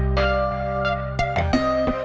ya baik bu